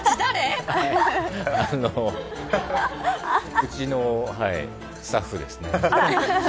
うちのスタッフですね。